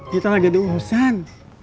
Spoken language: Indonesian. kita lagi ada urusan